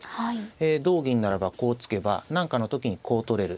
同銀ならばこう突けば何かの時にこう取れる。